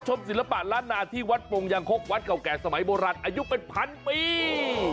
ศิลปะล้านนาที่วัดปงยางคกวัดเก่าแก่สมัยโบราณอายุเป็นพันปี